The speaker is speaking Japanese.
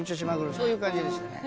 そういう感じでしたね。